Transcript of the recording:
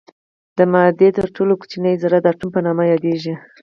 د مادې تر ټولو کوچنۍ ذره د اتوم په نوم یادیږي.